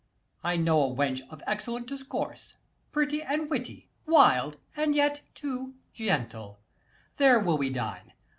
I know a wench of excellent discourse, Pretty and witty; wild, and yet, too, gentle: 110 There will we dine.